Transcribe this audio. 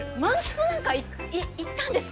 漫喫なんか行ったんですか。